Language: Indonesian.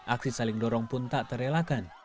aksi saling dorong pun tak terelakkan